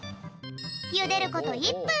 ゆでること１ぷん。